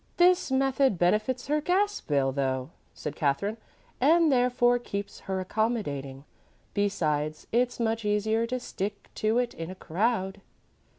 "This method benefits her gas bill though," said Katherine, "and therefore keeps her accommodating. Besides, it's much easier to stick to it in a crowd."